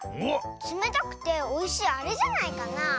つめたくておいしいあれじゃないかな。